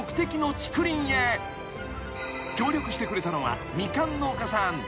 ［協力してくれたのはミカン農家さん］